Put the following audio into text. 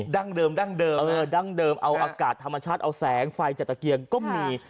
ดั้งเดิมดั้งเดิมดั้งเดิมเอาอากาศธรรมชาติเอาแสงไฟจากตะเกียงก็มี